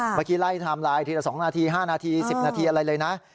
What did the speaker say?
เมื่อกี้ไล่ไทม์ไลน์ทีละ๒นาที๕นาที๑๐นาทีอะไรเลยนะ